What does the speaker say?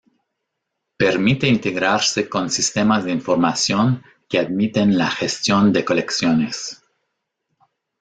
Permite integrarse con sistemas de información que admiten la gestión de colecciones.